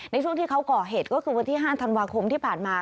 ในช่วงที่เขาก่อเหตุก็คือวันที่๕ธันวาคมที่ผ่านมา